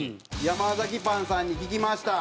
ヤマザキパンさんに聞きました。